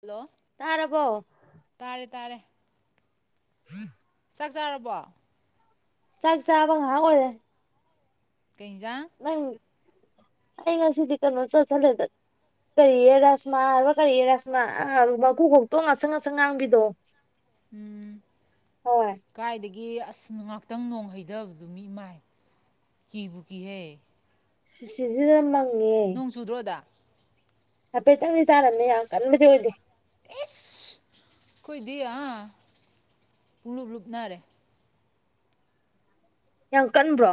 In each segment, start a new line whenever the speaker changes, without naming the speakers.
hello
ꯇꯥꯔꯕꯣ
ꯇꯥꯔꯦ ꯇꯥꯔꯦ
ꯍꯥꯝ
ꯆꯥꯛ ꯆꯥꯖꯔꯕꯣ
ꯆꯥꯛ ꯆꯕ ꯉꯍꯥꯛ ꯑꯣꯏꯔꯦ
ꯀꯩꯖꯥꯡ
ꯅꯪ ꯑꯩ ꯉꯁꯤꯗꯤ ꯀꯩꯅꯣ ꯆꯠꯁꯜꯂꯦꯗ ꯀꯔꯤꯌꯦ ꯔꯁꯃꯥ ꯍꯥꯏꯕ ꯀꯔꯤꯌꯦ ꯔꯥꯁꯃꯥ ꯑ ꯃꯀꯨ ꯈꯣꯛꯇꯣ ꯉꯁꯪ ꯉꯁꯪ ꯉꯥꯡꯕꯤꯗꯣ
ꯎꯝ
ꯍꯣꯏ
ꯀꯥꯏꯗꯒ ꯒꯤ ꯑꯁ ꯉꯥꯍꯛꯇꯪ ꯅꯣꯡ ꯍꯩꯊꯕꯗꯨ ꯃꯤ ꯃꯥꯏ ꯀꯤꯕꯨ ꯀꯤꯍꯩ
ꯁꯤꯖꯤꯅ ꯅꯪ
ꯅꯣꯡ ꯆꯨꯗ꯭ꯔꯣ ꯑꯗ
ꯍꯥꯏꯐꯦꯠꯇꯪꯗꯤ ꯇꯥꯔꯝꯃꯦ ꯌꯥꯝ ꯀꯟꯕꯗꯤ ꯑꯣꯏꯗꯦ
ꯑꯦꯁ ꯑꯩꯈꯣꯏꯗꯤ ꯑꯥ ꯄꯨꯡꯂꯨꯞ ꯂꯨꯞ ꯅꯥꯔꯦ
ꯌꯥꯝ ꯀꯟꯕ꯭ꯔꯣ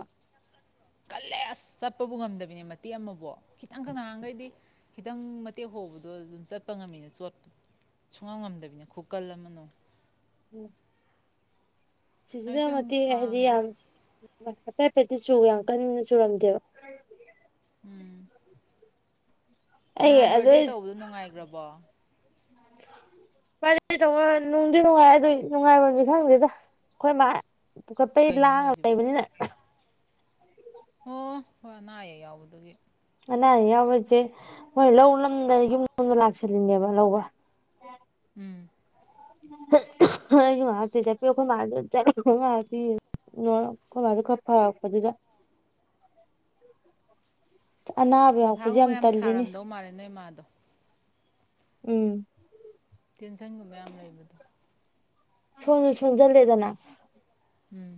ꯀꯜꯂꯦ ꯑꯁ ꯆꯠꯄꯕꯨ ꯉꯝꯗꯕꯤꯅꯦ ꯃꯇꯦꯛ ꯑꯃꯕꯣ ꯈꯤꯇꯪꯒ ꯅꯥꯍꯟꯒꯩꯗꯤ ꯈꯤꯇꯪ ꯃꯇꯦꯛ ꯍꯧꯕꯗ ꯑꯗꯨꯝ ꯆꯠꯄ ꯉꯝꯃꯤꯅ ꯆꯣꯠꯄ ꯁꯨꯡꯉꯝ ꯉꯝꯗꯕꯤꯅꯦ ꯈꯨꯀꯜ ꯑꯃꯅ
ꯎꯝ
ꯍꯧꯖꯤꯛꯇꯤ ꯑꯃꯨꯛ
ꯁꯤꯖꯤꯗꯃꯇꯦ ꯍꯥꯏꯗꯤ
ꯍꯥꯡꯈ꯭ꯔꯦ
ꯌꯥꯝ ꯍꯥꯏꯐꯦꯠ ꯍꯥꯏꯐꯦꯠꯇ ꯆꯨꯕ ꯌꯥꯝ ꯀꯟꯅ ꯆꯨꯔꯝꯗꯦꯕ
ꯎꯝ
ꯑꯩ
ꯅꯍꯥꯟ ꯕꯔꯗꯦ
ꯑꯗꯨꯏ
ꯇꯧꯕꯗꯣ ꯅꯨꯡꯉꯥꯏꯒꯔꯕꯣ
ꯕꯥꯗꯦ ꯇꯧꯕ ꯅꯨꯡꯗꯤ ꯅꯨꯡꯉꯥꯏ ꯑꯗꯨꯏ ꯅꯨꯡꯉꯥꯏꯕꯝꯗꯤ ꯈꯪꯗꯦꯗ ꯑꯩꯈꯣꯏ ꯃꯥ ꯄꯨꯈꯄꯩ
ꯀꯩꯅꯣ
ꯂꯥꯡꯉ
ꯍꯥꯏꯁꯤꯕꯣ
ꯂꯩꯕꯅꯤꯅ
ꯑꯣ ꯍꯣꯏ ꯅꯥꯏꯌꯦꯦ ꯌꯥꯎꯕꯗꯨꯒꯤ
ꯑꯅꯥ ꯑꯌꯦꯛ ꯌꯥꯎꯕꯖꯦ ꯃꯣꯏ ꯂꯧ ꯂꯝꯗ ꯌꯨꯝ ꯂꯣꯝꯗ ꯂꯥꯛꯁꯜꯂꯤꯅꯦꯕ ꯂꯧꯕ
ꯎꯝ
ꯑꯩꯖꯨ ꯉꯍꯥꯛ ꯇꯤ ꯆꯠꯄꯤꯎ ꯈꯣꯏ ꯃꯥꯖꯨ ꯆꯠꯂꯝꯗꯧ ꯃꯥꯜꯂꯗꯤ ꯈꯣꯏ ꯕꯥ ꯖꯨ ꯈꯔ ꯐꯔꯛꯄꯁꯤꯗ [unintelligible]
ꯃꯊꯥꯒꯨꯝꯕ ꯌꯥꯝ ꯁꯥꯔꯝꯗꯧ ꯃꯥꯜꯂꯦ ꯅꯣꯏ ꯃꯥꯥꯗꯣ
ꯎꯝ
ꯇꯦꯟꯁꯟꯒꯨꯝꯕ ꯌꯥꯝ ꯂꯩꯕꯗꯣ
ꯁꯣꯟꯖꯨ ꯁꯣꯟꯖꯜꯂꯦꯗꯅ
ꯎꯝ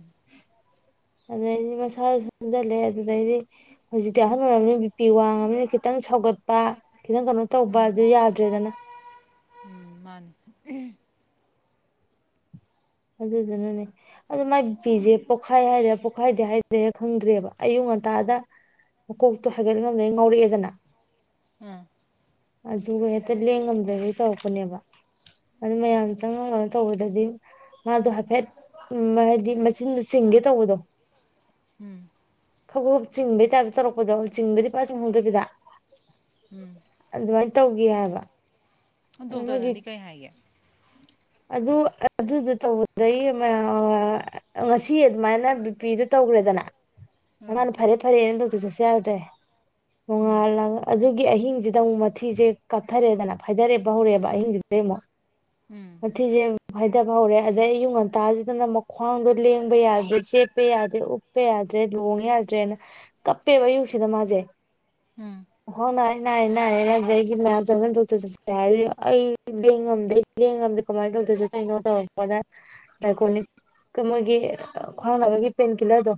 ꯑꯗꯨꯗꯩꯗꯤ ꯃꯁꯥꯏꯁꯨ ꯁꯣꯖꯤꯜꯂꯦ ꯑꯗꯨꯗꯩꯗꯤ ꯍꯧꯖꯤꯛꯇꯤ ꯑꯍꯜ ꯑꯣꯏꯔꯕꯅ ꯕꯤꯄꯤ ꯋꯥꯡꯉꯕꯅ ꯈꯤꯇꯪ ꯁꯧꯒꯠꯄ ꯈꯤꯇꯪ ꯀꯩꯅꯣ ꯇꯧꯕ
ꯎꯝ
ꯑꯗꯨ ꯌꯥꯗ꯭ꯔꯦꯗꯅ
ꯎꯝ ꯃꯥꯅꯤ
ꯑꯗꯨꯗꯨꯅꯅꯦ ꯑꯗꯨꯗ ꯃꯥꯏ ꯕꯤꯄꯤꯁꯦ ꯄꯣꯛꯈꯥꯏ ꯍꯥꯏꯗꯦ ꯄꯣꯛꯈꯥꯏꯗꯦ ꯍꯥꯏꯗꯦ ꯈꯪꯗ꯭ꯔꯦꯕ ꯑꯌꯨꯛ ꯉꯟꯇꯥꯗ ꯃꯀꯣꯛꯇꯣ ꯍꯥꯏꯒꯠ ꯉꯝꯅ ꯉꯧꯔꯛꯑꯦꯗꯅ
ꯎꯝ
ꯑꯗꯨꯒ ꯍꯦꯛꯇ ꯂꯦꯡꯉꯝꯗꯗꯒꯤ ꯇꯧꯔꯛꯄꯅꯦꯕ ꯑꯗꯨ ꯃꯌꯥꯝ ꯆꯪꯉꯒ ꯇꯧꯕꯗꯗꯤ ꯃꯥꯗꯣ ꯍꯥꯏꯐꯦꯠ ꯍꯥꯏꯗꯤ ꯃꯆꯤꯟꯗꯨ ꯆꯤꯡꯒꯦ ꯇꯧꯕꯗꯣ
ꯎꯝ
ꯈꯒꯣꯞ ꯆꯤꯡꯕꯩ ꯇꯥꯏꯞꯇ ꯆꯧꯔꯛꯄꯗꯣ ꯆꯤꯡꯕꯗꯤ ꯄꯥꯏ ꯆꯨꯝꯍꯣꯡꯗꯕꯤꯗ
ꯎꯝ
ꯇꯧꯒꯦ ꯍꯥꯏꯕ
ꯗꯣ ꯇꯔꯅꯥꯗꯤ ꯀꯩ ꯍꯥꯏꯦ
ꯑ ꯑꯗꯨ ꯇꯧꯕꯗꯩ ꯉꯁꯤ ꯑꯗꯨꯃꯥꯏꯅ ꯕꯤ ꯄꯤꯗꯨ ꯇꯧꯈ꯭ꯔꯦꯗꯅ
ꯎꯝ
ꯃꯥꯅ ꯐꯔꯦ ꯐꯔꯦ ꯆ ꯆꯁꯦ ꯌꯥꯎꯗꯦ
ꯎꯝ
ꯍꯣꯡꯉꯂꯒ ꯑꯗꯨ ꯒꯤ ꯑꯍꯤꯡꯁꯤꯗ ꯑꯃꯨꯛ ꯃꯊꯤꯁꯦ ꯀꯥꯊꯔꯦꯗꯅ ꯐꯥꯏꯊꯔꯦꯕ ꯍꯧꯔꯛꯑꯦꯕ ꯑꯍꯤꯡꯁꯤꯗꯩ ꯑꯃꯨꯛ
ꯎꯝ
ꯑꯖ ꯍꯥꯏꯊꯕ ꯍꯧꯔꯦ ꯑꯗꯩ ꯑꯌꯨꯛ ꯉꯟꯇꯥꯁꯤꯗꯅ ꯃꯈ꯭ꯋꯥꯡꯗꯣ ꯂꯦꯡꯕ ꯌꯥꯗ꯭ꯔꯦ ꯆꯦꯠꯄ ꯌꯥꯗ꯭ꯔꯦ ꯎꯞꯄ ꯌꯥꯗ꯭ꯔꯦ ꯂꯣꯡ ꯌꯥꯗ꯭ꯔꯦꯅ ꯀꯞꯄꯦꯕ ꯑꯌꯨꯛꯁꯤꯗ ꯃꯥꯁꯦ
ꯎꯝ
ꯍꯅꯥꯏ ꯅ ꯂꯒꯤ ꯃꯥ ꯆ ꯇꯧ ꯆꯠ ꯍꯥꯏ ꯑꯩꯗꯤꯦꯡ ꯉꯝꯗ ꯂꯦꯡꯉꯕꯗꯤ ꯀꯃꯥꯏꯅ ꯇꯧꯗꯣꯏꯁꯨ ꯀꯩꯅꯣ ꯇꯧꯔꯛꯄꯗ ꯗꯥꯥꯏꯀꯣꯅꯤꯛ ꯃꯣꯏꯒꯤ ꯈ꯭ꯋꯥꯡꯅꯕꯒꯤ ꯄꯦꯟꯀꯤꯤꯂꯔꯗꯣ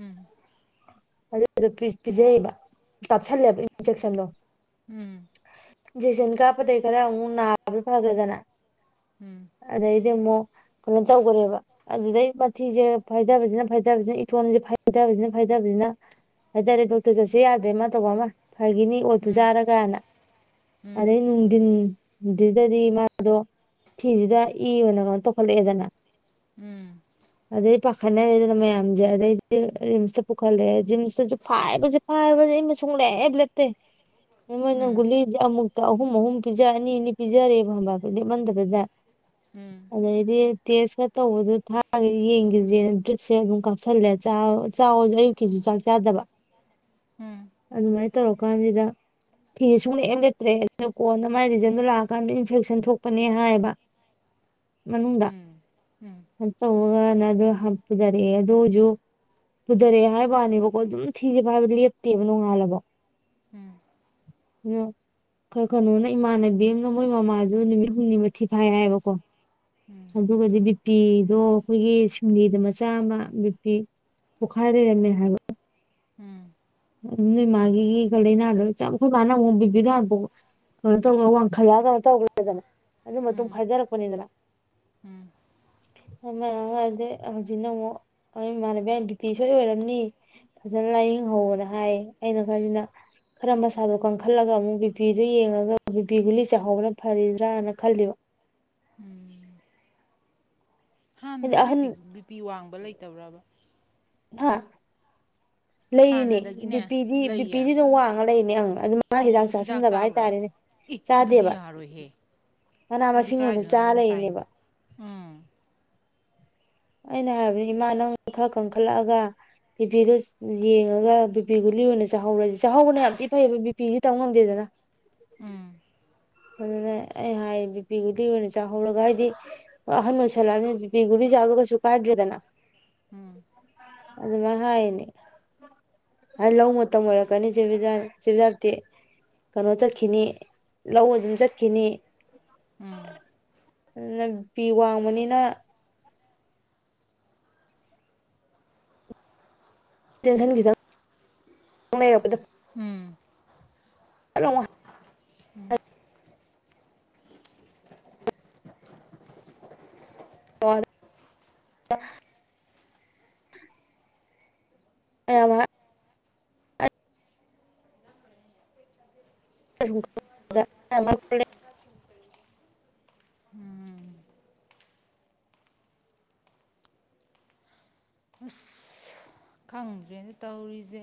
ꯎꯝ
ꯑꯗꯨ ꯄꯤꯖꯩꯌꯦꯕ ꯀꯥꯞꯁꯜꯂꯦꯕ ꯏꯟꯖꯦꯛꯁꯟꯗꯣ
ꯎꯝ
ꯏꯤꯟꯀ ꯗꯈꯔꯦ ꯎ ꯅ ꯐꯒꯦꯗꯅ
ꯎꯝ ꯎꯝ
ꯑꯗꯩꯗꯤ ꯗꯤ ꯑꯃꯛ ꯀꯩꯅꯣ ꯇꯧꯈꯔꯦꯕ ꯑꯗꯨꯗꯩ ꯃꯊꯤꯁꯦ ꯐꯥꯏꯊꯕꯁꯤꯅ ꯐꯥꯏꯊꯕꯁꯤꯅ ꯏꯇꯣꯟꯁꯦ ꯐꯥꯏꯊꯕꯁꯤꯅ ꯐꯥꯏꯊꯕꯁꯤꯅ ꯍꯥꯏꯇꯥꯔꯦ ꯗꯣꯛꯇꯔ ꯆꯠꯁ ꯌꯥꯗ꯭ꯔꯦ ꯑꯃ ꯇꯧꯕ ꯑꯃ ꯐꯒꯤꯅꯤ ꯑꯣꯠꯇꯨ
ꯎꯝ
ꯆꯥꯔꯒꯅ
ꯎꯝ ꯎꯝ ꯎꯝ ꯎꯝ ꯎꯝ ꯎꯝ ꯎꯝ
ꯑꯗꯩ ꯅꯨꯡꯊꯤꯟ ꯑꯗꯨ ꯑꯗꯨꯗꯗꯤ ꯃꯥꯗꯣ ꯐꯤꯁꯤꯗ ꯏ ꯑꯣꯏꯅ ꯀꯩꯅꯣ ꯇꯧꯈꯠꯂꯛꯑꯦꯗꯅ
ꯎꯝ
ꯑꯗꯩ ꯄꯥꯈꯠꯅꯔꯦꯗꯅ ꯃꯌꯥꯝꯁꯦ ꯑꯗꯩꯗꯤ ꯔꯤꯝꯁꯇ ꯄꯨꯈꯠꯂꯦ ꯔꯤꯝꯁꯇꯁꯨ ꯐꯥꯏꯕꯁꯦ ꯐꯥꯏꯕꯁꯦ ꯑꯩ ꯃꯨꯡ ꯂꯦꯦꯞ ꯂꯦꯞꯇꯦ ꯃꯪꯒꯂꯤꯖ ꯑꯍꯨꯝ ꯑꯍꯨꯝ ꯄꯤꯖꯥ ꯑꯅꯤ ꯑꯅꯤ ꯄꯤꯖꯔꯦꯕ ꯍꯗꯤ ꯃꯟꯗꯕꯗ ꯑꯗꯗꯤ ꯇꯦꯁꯀ ꯇꯧꯕꯗ ꯊꯥꯒ ꯌꯦꯡꯒꯁꯦ ꯑꯗꯨ ꯇꯤꯨꯞꯁꯦ ꯑꯗꯨꯝ ꯀꯥꯞꯁꯤꯜꯂꯦ ꯑꯌꯨꯛꯀꯤꯁꯨ ꯆꯥꯛ ꯆꯥꯗꯕ ꯑꯗꯨ ꯃꯥꯏ ꯇꯧꯔ ꯀꯥꯟꯁꯤꯗ ꯐꯤ ꯁꯨꯡ ꯅꯦꯛꯑ ꯂꯩꯦꯇ꯭ꯔꯦ ꯑꯗꯨ ꯀꯣꯟꯅ ꯃꯥꯏ ꯔꯤꯖꯟꯗꯣ ꯂ ꯀꯥꯟꯗ ꯏꯟꯐꯦꯛꯁꯟ ꯊꯣꯛꯄꯅꯦ ꯍꯥꯏꯌꯦꯕ ꯃꯅꯅꯨꯡꯗ ꯑ ꯇ ꯅ ꯄꯨꯊꯔꯛꯑꯦ ꯑꯗꯨ ꯍꯧꯖꯤꯁꯨ ꯄꯨꯊꯔꯛꯑꯦ ꯍꯥꯏ ꯋꯥꯅꯦꯕꯀꯣ ꯑꯗꯨꯝ ꯊꯤꯖꯦꯕ ꯍꯥꯏꯕꯗꯤ ꯂꯦꯞꯇꯦꯕ ꯅꯣꯡꯉꯥꯜꯂꯕꯣ
ꯎꯝ
ꯑꯣ ꯀ ꯀꯩꯅꯣꯅ ꯏꯃꯥꯟꯅꯕꯤ ꯃꯣꯏ ꯃꯃꯥꯁꯨ ꯅꯨꯃꯤꯠ ꯍꯨꯝꯅꯤꯃꯊꯤ ꯐꯥꯏ ꯍꯥꯏꯑꯕꯀꯣ ꯑꯗꯨ ꯒꯗꯤ ꯕꯤ ꯄꯤꯗꯣ ꯑꯩꯈꯣꯏꯒꯤ ꯁꯤꯡꯂꯤꯗ ꯃꯆꯥ ꯑꯃ ꯕꯤ ꯄꯤ ꯄꯣꯛꯈꯥꯏ ꯂꯩꯔꯝꯃꯦ ꯍꯥꯏꯕ
ꯎꯝ
ꯎ ꯅꯣꯏ ꯃꯥꯒꯤ ꯀꯂꯅꯥꯗ ꯆ ꯈꯣꯏ ꯃꯥꯅ ꯑꯃꯣꯛ ꯕꯤꯄꯤꯗꯣ ꯍꯥꯟ ꯀꯩꯅꯣ ꯇꯧ ꯋꯥꯡꯈꯠꯂ ꯀꯩꯅꯣ ꯇꯧꯈ꯭ꯔꯦꯗꯅ ꯑꯗꯨ ꯃꯇꯨꯡ
ꯎꯝ
ꯐꯥꯖꯔꯛꯄꯅꯤꯗꯅ
ꯎꯝ
[unintelligible] ꯍꯧꯖꯤꯛꯅ ꯑꯃꯨꯛ ꯑꯩ ꯏꯃꯥꯟꯅꯕꯤ ꯕꯤꯄꯤ ꯁꯣꯏ ꯑꯣꯏꯔꯝꯅꯤ ꯐꯖꯅ ꯂꯥꯏꯌꯦꯡꯍꯧꯅ ꯍꯥꯏꯌꯦ ꯑꯩꯅ ꯈꯟꯁꯤꯅ ꯈꯔ ꯃꯁꯥꯗꯣ ꯀꯪꯈꯠꯂꯒ ꯑꯃꯨꯛ ꯕꯤꯄꯤꯗꯨꯣ ꯌꯦꯡꯉꯒ ꯕꯤꯄꯤ ꯒꯨꯂꯤ ꯆꯥꯛꯍꯥꯎꯅ ꯐꯔꯤꯗ꯭ꯔꯥꯅ ꯈꯜꯂꯤꯕ ꯍꯥꯏꯗꯤ
ꯍꯥꯟꯅꯗꯩ
ꯑꯍꯟ
ꯕꯤꯄꯤ ꯕꯤꯄꯤ ꯋꯥꯡꯕ ꯂꯩꯇꯕ꯭ꯔꯕ
ꯍꯥ ꯂꯩꯔꯤꯅꯦ
ꯍꯥꯟꯅꯗꯒꯤꯅꯦ
ꯕꯤꯄꯤꯗꯤ
ꯂꯩꯌꯦ
ꯕꯤꯄꯤꯗꯤ ꯑꯗꯨꯝ
ꯑꯣ
ꯋꯥꯡꯉ ꯂꯩꯔꯤꯅꯦ ꯑꯪ ꯑꯗꯨ ꯃꯥꯅ ꯍꯤꯗꯥꯛ
ꯑꯗꯣ
ꯆꯥꯥꯁꯟꯗꯕ
ꯆꯥꯕ꯭ꯔꯕ
ꯍꯥꯏꯇꯥꯔꯦꯅꯦ
ꯑꯦ ꯑꯗꯨꯗꯤ
ꯆꯥꯗꯦꯕ
ꯌꯥꯔꯣꯏꯍꯦ
ꯃꯅꯥ
ꯑꯗꯨꯗꯤ
ꯃꯁꯤꯡ ꯑꯣꯏꯅ
ꯀꯗꯥꯥꯏꯗꯨꯅꯣ
ꯆꯥ
ꯑꯗꯨꯝ
ꯂꯩꯔꯤꯅꯦꯕ
ꯇꯥꯏꯅꯤ ꯎꯝ
ꯑꯩꯅ ꯍꯥꯏꯕꯅꯤ ꯏꯃꯥ ꯅꯪ ꯈꯔ ꯀꯟꯈꯠꯂꯛꯑꯒ ꯕꯤꯄꯤꯗꯨꯣ ꯌꯦꯡꯉꯒ ꯕꯤꯄꯤ ꯒꯨꯂꯤ ꯑꯣꯏꯅ ꯆꯥꯍꯧꯔꯁꯤ ꯆꯥꯍꯧꯕꯅ ꯌꯥꯝ ꯊꯤ ꯐꯩꯑꯕ ꯕꯤꯄꯤꯗꯤ ꯇꯧ ꯉꯝꯗꯦꯗꯅ
ꯎꯝ
ꯑꯗꯨꯅ ꯑꯩ ꯍꯥꯏ ꯕꯤꯄꯤ ꯒꯨꯂꯤ ꯑꯣꯏꯅ ꯆꯥꯍꯧꯔꯒ ꯍꯥꯏꯗꯤ ꯑꯍꯟ ꯑꯣꯏꯁꯜꯂꯛꯑꯅꯤ ꯕꯤꯄꯤ ꯒꯨꯂꯤ ꯆꯥꯕ ꯀꯩꯁꯨ ꯆꯨ ꯀꯥꯗ꯭ꯔꯦꯗꯅ
ꯎꯝ
ꯑꯗꯨꯃꯥꯏꯅ ꯍꯥꯏꯅꯤ ꯍꯥꯏ ꯂꯧ ꯃꯇꯝ ꯑꯣꯏꯔꯛꯀꯅꯤ ꯆꯦ ꯆꯦꯕꯖꯥꯕꯇꯤ ꯀꯩꯅꯣ ꯆꯠꯈꯤꯅꯤ ꯂꯧ ꯑꯗꯨꯝ ꯆꯠꯈꯤꯅꯤ
ꯎꯝ
ꯑꯗꯨꯅ ꯕꯤꯄꯤ ꯋꯥꯡꯕꯅꯤꯅ ꯇꯦꯟꯁꯟ ꯈꯤꯇꯪꯡ ꯂꯩ
ꯎꯝ
ꯂꯥꯎꯅ
ꯎꯝ
ꯑ ꯑꯃ ꯔ
ꯑꯁ ꯈꯪꯗ꯭ꯔꯦꯅꯦ ꯇꯧꯔꯤꯖꯦ